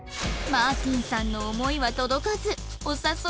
マーティンさんの思いは届かずお誘い失敗